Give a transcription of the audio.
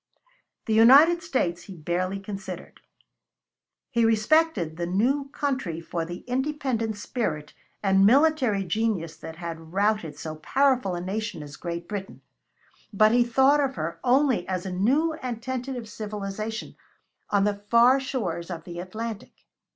The United States he barely considered. He respected the new country for the independent spirit and military genius that had routed so powerful a nation as Great Britain, but he thought of her only as a new and tentative civilization on the far shores of the Atlantic.